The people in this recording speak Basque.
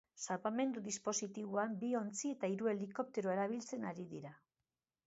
Salbamendu dispositiboan, bi ontzi eta hiru helikoptero erabiltzen ari dira.